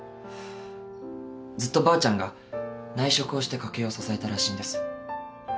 ずっとばあちゃんが内職をして家計を支えたらしいんです。